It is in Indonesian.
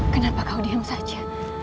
kenapa kau diam saja